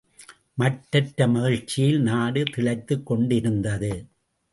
மட்டற்ற மகிழ்ச்சியில் நாடு திளைத்துக் கொண்டிருந்தது.